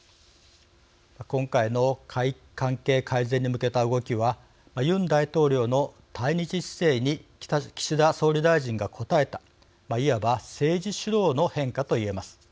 今回の関係改善に向けた動きはユン大統領の対日姿勢に岸田総理大臣が応えたいわば政治主導の変化と言えます。